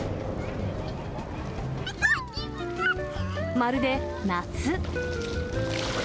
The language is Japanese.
まるで夏。